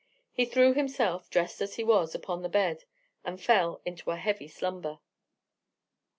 He threw himself, dressed as he was, upon the bed, and fell into a heavy slumber.